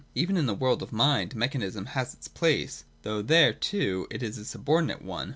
Even in the world of Mind, mechanism has its place ; though there, too, it is a subordinate one.